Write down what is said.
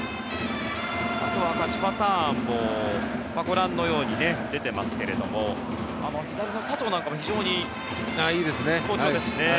あとは勝ちパターンもご覧のように出ていますが左の佐藤なんかも非常に好調ですしね。